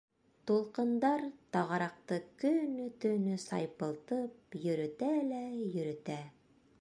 Тулҡындар тағараҡты көнө-төнө сайпылтып йөрөтә лә йөрөтә.